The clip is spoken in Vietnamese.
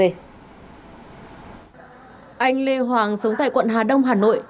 anh lê hoàng sống tại quận hà đông hà nội